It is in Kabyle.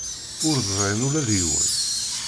Ur ẓrin ula d yiwen?